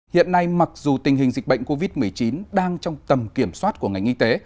hiện nay mặc dù tình hình dịch bệnh covid một mươi chín đang trong tầm kiểm soát của ngành y tế